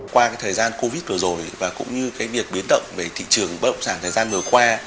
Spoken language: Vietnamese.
qua cái thời gian covid vừa rồi và cũng như cái việc biến động về thị trường bất động sản thời gian vừa qua